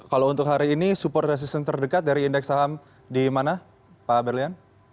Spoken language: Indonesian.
kalau untuk hari ini support resistance terdekat dari indeks saham di mana pak berlian